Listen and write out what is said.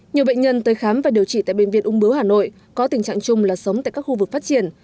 nhiều bệnh nhân tới khám và điều trị tại bệnh viện ung bướu hà nội có tình trạng chung là sống tại các khu vực phát triển